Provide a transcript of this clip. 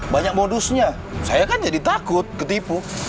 banyak modusnya saya kan jadi takut ketipu